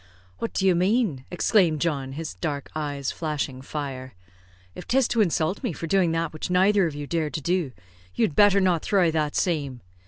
"What do you mane?" exclaimed John, his dark eyes flashing fire. "If 'tis to insult me for doing that which neither of you dared to do, you had better not thry that same.